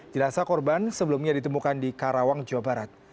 jenazah korban sebelumnya ditemukan di karawang jawa barat